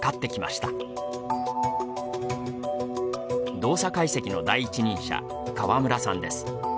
動作解析の第一人者川村さんです。